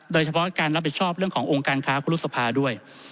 โดยเฉพาะการรับผิดชอบเรื่องขององค์การค้าคุณรุษภาด้วย